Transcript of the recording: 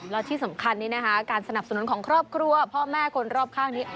แล้วที่สำคัญนี้นะคะการสนับสนุนของครอบครัวพ่อแม่คนรอบข้างนี้